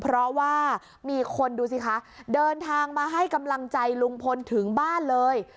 เพราะว่ามีคนดูสิคะเดินทางมาให้กำลังใจลุงพลถึงบ้านเลย